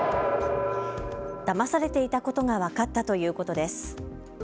だまされていたことが分かったということです。